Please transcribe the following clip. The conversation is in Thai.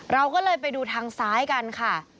เราก็เลยไปดูทางซ้ายกันค่ะ